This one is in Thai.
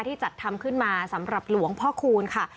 จัดทำขึ้นมาสำหรับหลวงพ่อคูณค่ะ